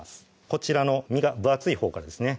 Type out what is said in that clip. こちらの身が分厚いほうからですね